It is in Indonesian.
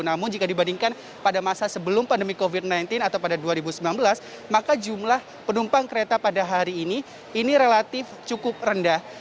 namun jika dibandingkan pada masa sebelum pandemi covid sembilan belas atau pada dua ribu sembilan belas maka jumlah penumpang kereta pada hari ini ini relatif cukup rendah